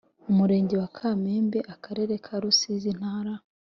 Umurenge wa kamembe akarere ka rusizi intara